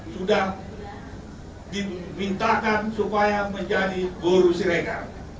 sudah dimintakan supaya menjadi buru siregar